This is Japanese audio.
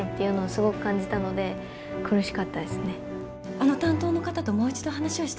あの担当の方ともう一度話をしたくて。